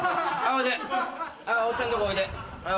おっちゃんとこおいで。